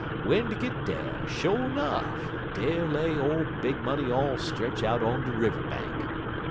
"W'en dey git dar, sho' nuff, dar lay ole Big Money all stretch out on de river bank.